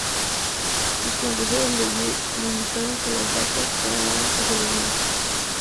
Sus consejeros le indicaron que las barcas eran la única solución.